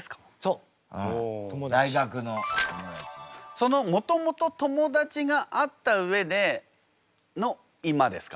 そのもともと友達があった上での今ですか？